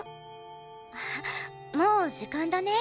もう時間だね。